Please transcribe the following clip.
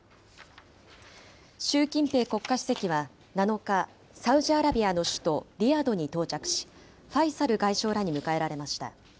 習近平国家主席は７日、サウジアラビアの首都リヤドに到着し、ファイサル外相らに迎えられました。